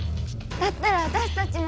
だったらわたしたちも。